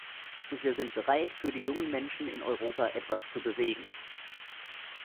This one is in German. Und wir sind bereit, für die jungen Menschen in Europa etwas zu bewegen.